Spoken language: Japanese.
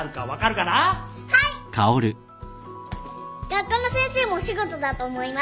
学校の先生もお仕事だと思います。